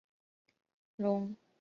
雍正四年丙午科举人。